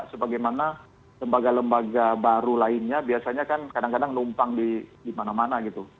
sebagaimana lembaga lembaga baru lainnya biasanya kan kadang kadang numpang di mana mana gitu